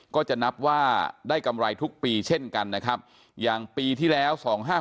ก็จะนับว่าได้กำไรทุกปีเช่นกันนะครับอย่างปีที่แล้ว๒๕๖